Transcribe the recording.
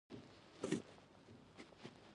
د بیړنیو ستونزو لپاره د عاجل څانګې ته لاړ شئ